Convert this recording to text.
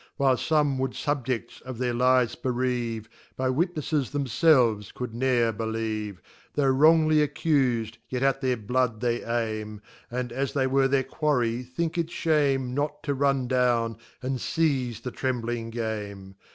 While fome would Subjects of their Lives bereave, By WitnefTes themfelvcs could ne're believe, Though wrongly accus'd, yet at theirBlood they aim, And, as they were their Quarrey, think it (hame Not to run down, and feize the trembling Game.